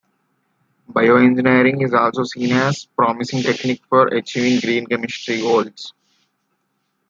Bioengineering is also seen as a promising technique for achieving green chemistry goals.